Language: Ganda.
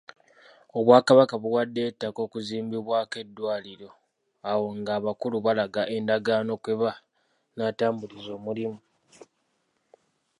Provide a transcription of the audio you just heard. Obwakabaka buwaddeyo ettaka okuzimbibwako eddwaliro awo nga abakulu balaga endagaano kwe banaatambuliza omulimu.